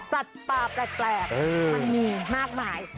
สัตว์ป่าแปลกมันมีมากมาย